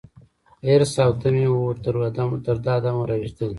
حرص او تمي وو تر دامه راوستلی